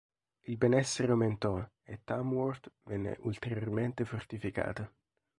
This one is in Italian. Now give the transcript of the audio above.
Il benessere aumentò e Tamworth venne ulteriormente fortificata.